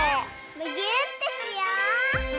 むぎゅーってしよう！